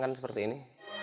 dan seperti ini